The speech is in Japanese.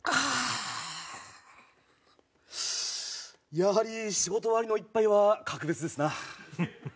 やはり仕事終わりの一杯は格別ですな。